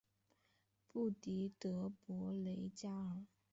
布迪德博雷加尔。